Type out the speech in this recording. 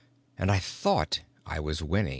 And I thought I was winning.